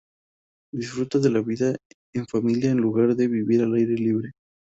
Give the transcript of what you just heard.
Disfruta de la vida en familia en lugar de vivir al aire libre.